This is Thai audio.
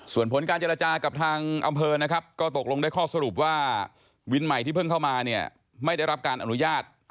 ส่วนผลการเจรจากับทางอำเภอนะครับก็ตกลงได้ข้อสรุปว่าวินใหม่ที่เพิ่งเข้ามาเนี่ยไม่ได้รับการอนุญาต